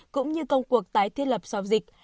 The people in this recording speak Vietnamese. cũng như công cuộc tái thiết lập sau dịch